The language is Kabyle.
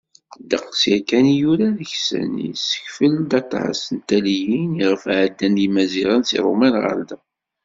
Ddeqs yakan i yura deg-sen, yessekfel-d aṭas n talliyin iɣef d-ɛeddan Yimaziɣen seg Ṛṛuman ɣer da.